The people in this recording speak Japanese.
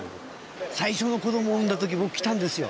最初の子供を産んだ時も来たんですよ。